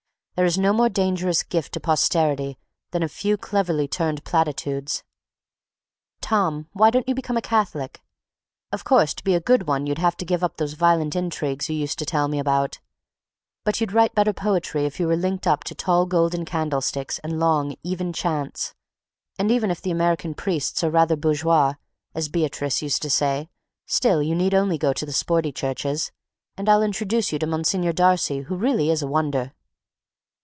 There is no more dangerous gift to posterity than a few cleverly turned platitudes. Tom, why don't you become a Catholic? Of course to be a good one you'd have to give up those violent intrigues you used to tell me about, but you'd write better poetry if you were linked up to tall golden candlesticks and long, even chants, and even if the American priests are rather burgeois, as Beatrice used to say, still you need only go to the sporty churches, and I'll introduce you to Monsignor Darcy who really is a wonder.